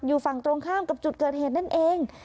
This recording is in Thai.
อยู่ฝั่งตรงข้ามกับจุดเกิดเหตุนั่นเอง